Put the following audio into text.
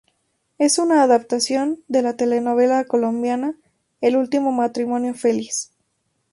Es una adaptación de la telenovela colombiana "El último matrimonio feliz".